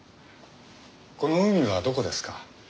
この海はどこですか？